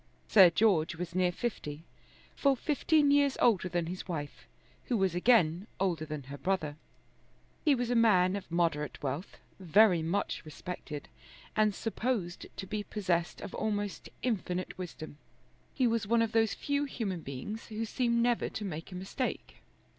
Sir George was near fifty, full fifteen years older than his wife, who was again older than her brother. He was a man of moderate wealth, very much respected, and supposed to be possessed of almost infinite wisdom. He was one of those few human beings who seem never to make a mistake.